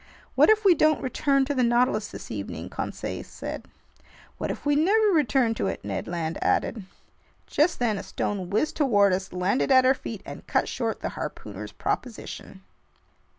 "What if we don't return to the Nautilus this evening?" Conseil said. "What if we never return to it?" Ned Land added. Just then a stone whizzed toward us, landed at our feet, and cut short the harpooner's proposition.